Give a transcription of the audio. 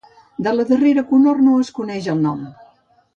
De la darrera cohort no es coneix el nom.